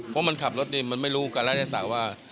เพราะมันขับรถนี่มันไม่รู้การรัฐศาสตร์ว่า